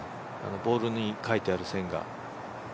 ボールに書いてある線が。